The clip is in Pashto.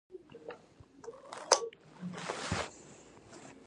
څلورمه پوښتنه د دولت اساسي دندې بیانول دي.